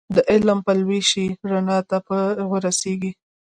د علم پلوی شه رڼا ته به ورسېږې